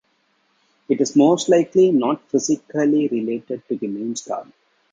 It is most likely not physically related to the main star.